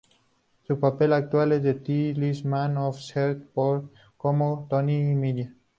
Su papel actual es en "The Last Man On Earth" como Phil "Tandy" Miller.